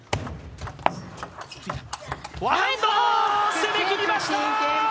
攻めきりました！